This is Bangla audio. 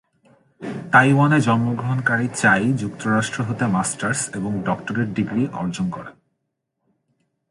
তাইওয়ানে জন্মগ্রহণকারী চাই যুক্তরাষ্ট্র হতে মাস্টার্স এবং ডক্টরেট ডিগ্রী অর্জন করেন।